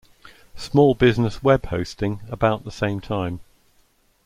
Small Business web hosting about the same time.